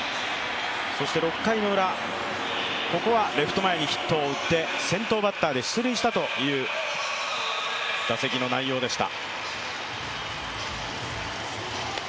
６回ウラはレフト前にヒットを打って先頭バッターで出塁したという打席の内容でした。